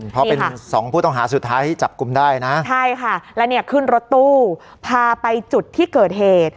เพราะเป็นสองผู้ต้องหาสุดท้ายที่จับกลุ่มได้นะใช่ค่ะแล้วเนี่ยขึ้นรถตู้พาไปจุดที่เกิดเหตุ